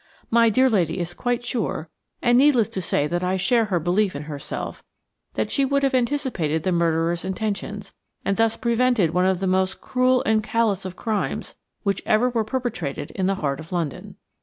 My dear lady is quite sure–and needless to say that I share her belief in herself–that she would have anticipated the murderer's intentions, and thus prevented one of the most cruel and callous of crimes which were ever perpetrated in the heart of London.